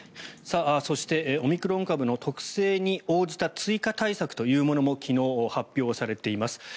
そしてオミクロン株の特性に応じた追加対策というものも昨日、発表されています。